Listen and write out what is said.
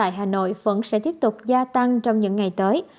số f tại hà nội vẫn sẽ tiếp tục gia tăng trong những ngày tới